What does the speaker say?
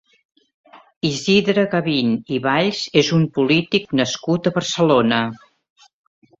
Isidre Gavín i Valls és un polític nascut a Barcelona.